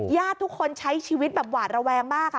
ญาติทุกคนใช้ชีวิตแบบหวาดระแวงมาก